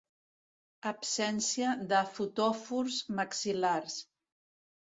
Absència de fotòfors maxil·lars.